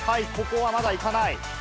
ここはまだいかない。